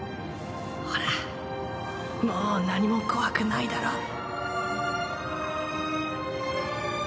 ほらもう何も怖くないだろ？